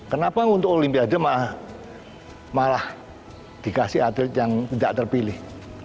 kenapa untuk olimpiade malah dikasih atlet yang tidak terpilih